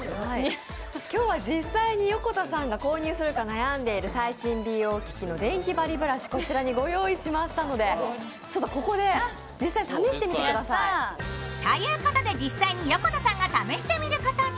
今日は実際に横田さんが購入しようか迷っている最新美容機器のデンキバリブラシ、こちらにご用意しましたので、ここで実際試してみてください。ということで、実際に横田さんが試してみることに。